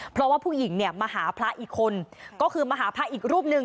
เพราะว่าผู้หญิงเนี่ยมาหาพระอีกคนก็คือมาหาพระอีกรูปหนึ่ง